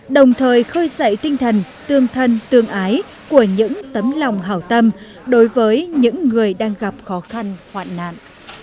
đồng thời khơi dậy tinh thần tương thân tương ái của những tấm lòng hảo tâm đối với những người đang gặp khó khăn hoạn nạn